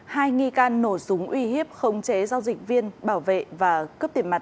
hai nghi can nổ súng uy hiếp khống chế giao dịch viên bảo vệ và cướp tiền mặt